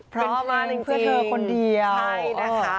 ใช่นะคะ